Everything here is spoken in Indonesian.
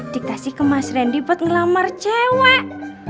diktasi ke mas rendy buat ngelamar cewek